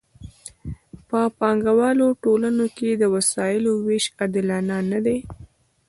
په پانګوالو ټولنو کې د وسایلو ویش عادلانه نه دی.